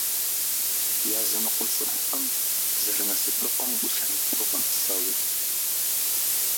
Языныкъуэ цӏыхухэм зэрынасыпыфӏэм гу лъамытэу мэпсэу.